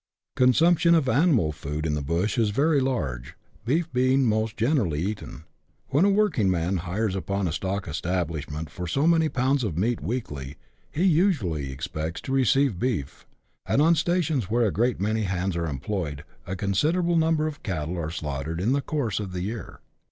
The consumption of animal food in the bush is very large, beef being most generally eaten. When a working man hires upon a stock establishment for so many pounds of meat weekly, he usually expects to receive beef; and on stations where a great many hands are employed, a considerable number of cattle are slaughtered in the course of the year.